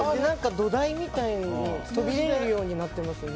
土台みたいに飛び出るようになってますね。